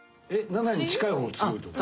「７」に近い方が強いってこと？